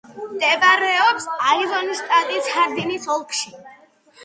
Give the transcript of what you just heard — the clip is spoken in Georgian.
მდებარეობს აიოვის შტატის ჰარდინის ოლქში.